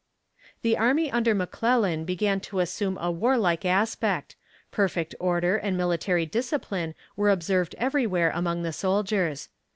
The army under McClellan began to assume a warlike aspect perfect order and military discipline were observed everywhere among the soldiers.